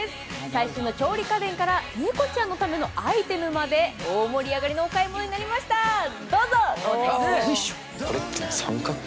最新の調理家電から猫ちゃんのためのアイテムまで大盛り上がりのお買い物になりました、どうぞ。